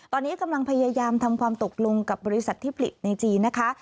ตอนนี้กำลังพยายามทำความตกลงกับบริษัทที่ผลิตในจีนนะคะ